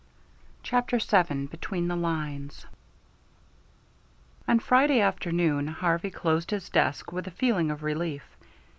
CHAPTER VII BETWEEN THE LINES On Friday afternoon Harvey closed his desk with a feeling of relief.